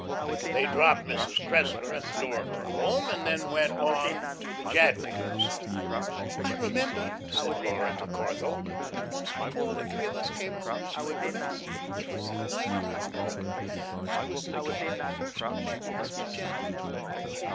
They dropped Mrs. Cressler at the door of her home and then went on to the Jadwins'. "I remember," said Laura to Corthell, "that once before the three of us came home this way. Remember? It was the night of the opera. That was the night I first met Mr. Jadwin."